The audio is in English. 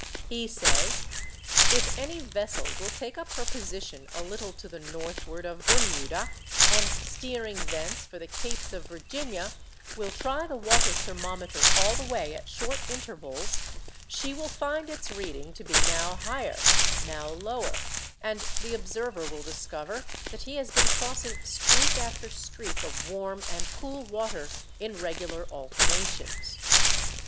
He says: 'If any vessel will take up her position a little to the northward of Bermuda, and steering thence for the capes of Virginia, will try the water thermometer all the way at short intervals, she will find its reading to be now higher, now lower; and the observer will discover that he has been crossing streak after streak of warm and cool water in regular alternations.